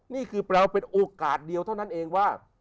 นี่คือเราเป็นโอกาสเดียวเท่านั้นเองว่า